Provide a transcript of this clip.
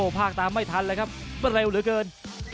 ภาคตามไม่ทันเลยครับเร็วเหลือเกิน